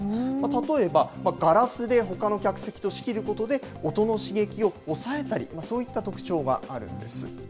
例えばガラスでほかの客席と仕切ることで、音の刺激を抑えたり、そういった特徴があるんです。